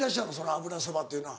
油そばというのは。